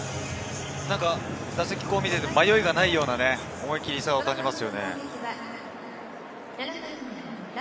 打席を見ていても迷いがないような、思い切りのよさを感じますね。